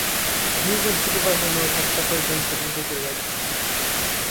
User and supervisor mode had separate banks of integer registers.